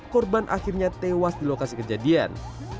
korban akhirnya tewas di lokasi kejadian